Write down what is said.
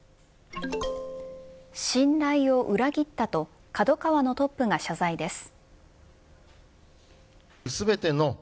信頼を裏切ったとＫＡＤＯＫＡＷＡのトップが謝罪です。